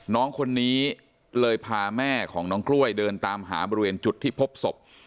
น้องคนนี้เลยพาแม่ของน้องกล้วยเดินตามหาบริเวณจุดที่พบศพ